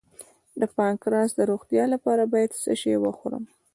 د پانکراس د روغتیا لپاره باید څه شی وخورم؟